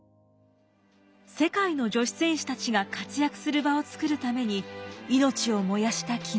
世界の女子選手たちが活躍する場を作るために命を燃やした絹枝。